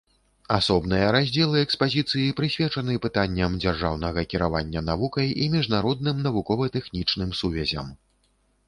Асобныя раздзелы экспазіцыі прысвечаны пытанням дзяржаўнага кіравання навукай і міжнародным навукова-тэхнічным сувязям.